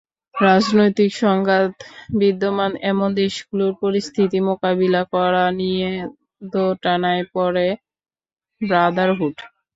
রাজনৈতিক সংঘাত বিদ্যমান এমন দেশগুলোর পরিস্থিতি মোকাবিলা করা নিয়ে দোটানায় পড়ে ব্রাদারহুড।